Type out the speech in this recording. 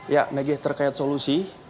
ya megi terkait solusi